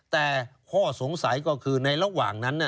แต่ข้อสงสัยก็คือในระหว่างนั้น